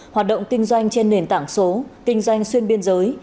hoạt động kinh doanh trên nền tảng số kinh doanh xuyên biên giới